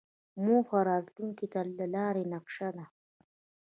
موخه راتلونکې ته د لارې نقشه ده.